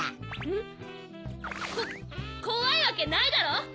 ん⁉こわいわけないだろ！